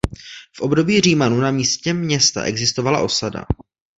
V období Římanů na místě města existovala osada.